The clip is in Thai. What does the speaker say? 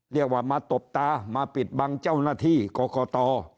เรียกว่ามาตบตามาปิดบังเจ้าหน้าที่กรกต